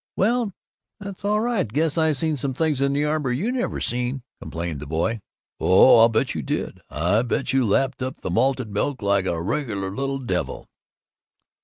"Well, that's all right now! I guess I seen some things in the Arbor you never seen!" complained the boy. "Oh, I'll bet you did! I bet you lapped up the malted milk like a reg'lar little devil!"